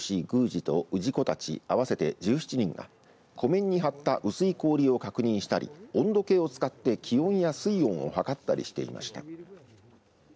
宮司と氏子たち合わせて１７人が湖面に張った薄い氷を確認したり温度計を使って、気温や水温を測ったりしていました。